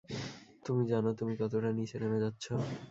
তুমি জানো তুমি কতটা নিচে নেমে যাচ্ছো?